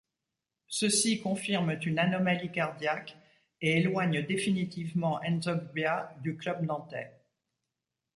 Ceux-ci confirment une anomalie cardiaque et éloignent définitivement N'Zogbia du club nantais.